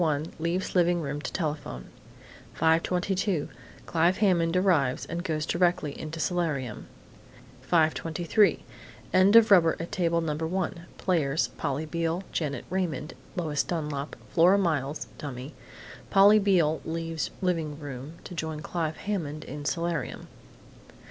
1, leaves living room to telephone. 5:22 Clive Hammond arrives and goes directly into solarium. 5:23 End of rubber at Table No. 1. Players: Polly Beale, Janet Raymond, Lois Dunlap, Flora Miles (dummy). Polly Beale leaves living room to join Clive Hammond in solarium.